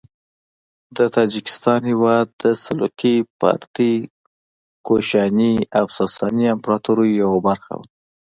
د تاجکستان هیواد د سلوکي، پارتي، کوشاني او ساساني امپراطوریو یوه برخه وه.